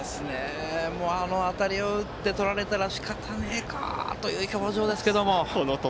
あの当たりを打ってとられたらバッターもしかたねえかという表情ですね。